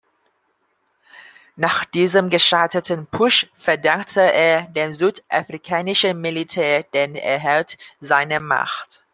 Nach diesem gescheiterten Putsch verdankte er dem südafrikanischen Militär den Erhalt seiner Macht.